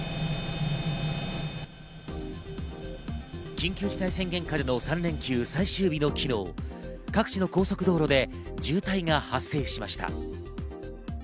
緊急事態宣言下での３連休最終日の昨日、各地の高速道路で渋滞が発生しました。